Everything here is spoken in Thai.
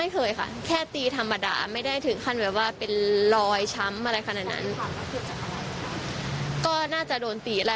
เขาคงคิดว่าเราไม่รู้เขาก็เลยโกหกแต่ว่าเราว่าไม่อยากจะไปเถียงอะไร